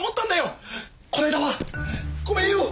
この間はごめんよ。